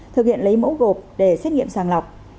thực hiện lấy mẫu gộp để xét nghiệm sàng lọc